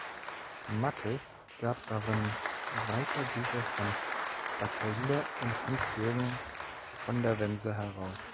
Matthes gab darin weiter Bücher von Bataille und Hans Jürgen von der Wense heraus.